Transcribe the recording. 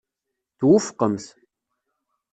Twufqemt.